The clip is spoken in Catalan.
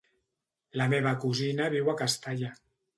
La meva cosina viu a Castalla.